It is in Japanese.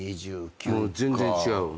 もう全然違うわ。